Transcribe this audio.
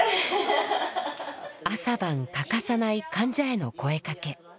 朝晩欠かさない患者への声かけ。